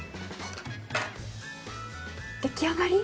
出来上がり？